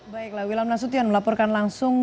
baiklah wilam nasution melaporkan langsung